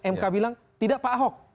mk bilang tidak pak ahok